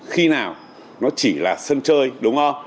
khi nào nó chỉ là sân chơi đúng không